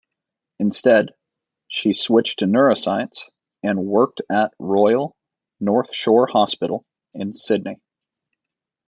Instead, she switched to neuroscience and worked at Royal North Shore Hospital in Sydney.